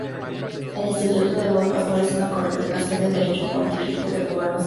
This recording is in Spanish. El Instituto del Buen Pastor es una congregación de derecho pontificio de gobierno centralizado.